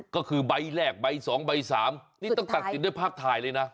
ก็คือใบแรกใบสองใบสามตัดสิด้วยภาคถ่ายเลยน่ะ